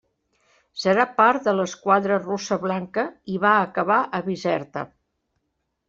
Serà part de l'esquadra russa blanca i va acabar a Bizerta.